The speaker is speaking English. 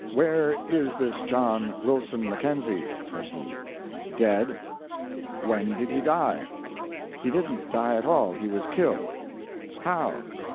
"Where is this John Wilson Mackenzie?" said he. "Dead." "When did he die?" "He didn't die at all he was killed." "How?"